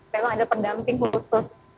memang ada pendamping khusus